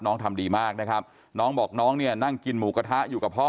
ทำดีมากนะครับน้องบอกน้องเนี่ยนั่งกินหมูกระทะอยู่กับพ่อ